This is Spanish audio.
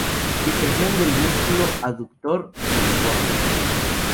Impresión del músculo aductor reniforme.